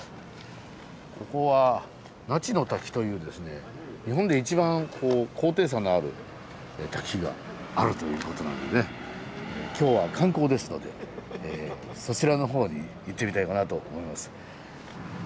ここは那智の滝というですね日本で一番高低差のある滝があるということなんでね今日は観光ですのでそちらのほうに行ってみたいかなと思います。